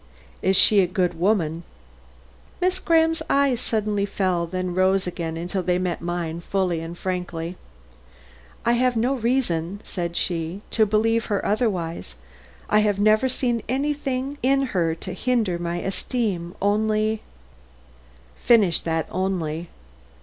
"Is she a good woman?" Miss Graham's eyes suddenly fell, then rose again until they met mine fully and frankly. "I have no reason," said she, "to believe her otherwise. I have never seen anything in her to hinder my esteem; only " "Finish that 'only.'"